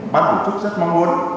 ban tổ chức rất mong luôn